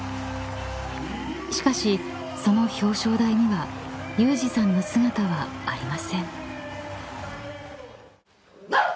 ［しかしその表彰台には有志さんの姿はありません］